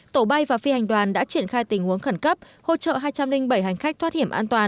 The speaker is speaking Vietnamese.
tổ bay và phi hành đoàn đã triển khai tình huống khẩn cấp hỗ trợ hai trăm linh bảy hành khách thoát hiểm an toàn